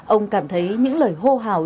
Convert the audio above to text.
ông cảm thấy những lời hô hào